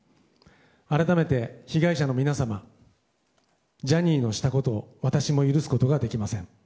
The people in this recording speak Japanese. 改めて、被害者の皆様ジャニーのしたことを私も許すことができません。